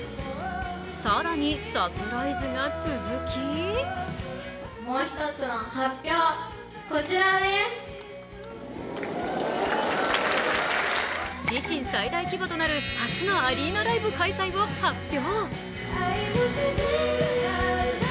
更にサプライズが続き自身最大規模となる初のアリーナライブ開催を発表。